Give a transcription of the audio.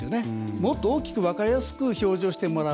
もっと大きく分かりやすく表示をしてもらう。